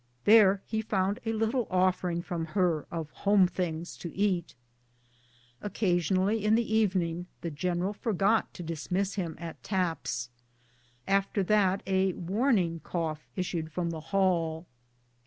There he found a little offering from her of home things to eat. Occasionally, in the evening, the general forgot to dismiss him at taps. After that a warning cough issued from the hall.